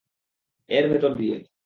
এর ভেতর দিয়ে।